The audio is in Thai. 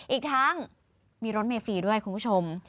อีกทั้งมีรถเมฟรีด้วยคุณผู้ชม